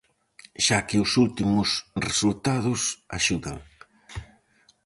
Xa que os últimos resultados axudan.